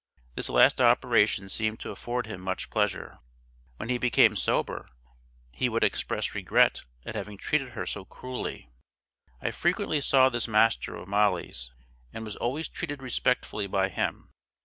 This last operation seemed to afford him much pleasure. When he became sober he would express regret at having treated her so cruelly. I frequently saw this master of Molly's, and was always treated respectfully by him.